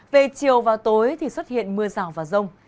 về chiều và tối thì xuất hiện mưa rào và rông